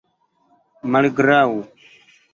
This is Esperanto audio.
malgraŭ